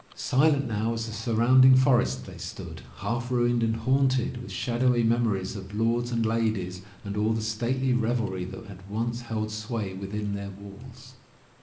Silent now as the surrounding for est they stood, half ruined, and haunted with shadowy memories of lords and ladies and all the stately revelry that had once held sway within their walls.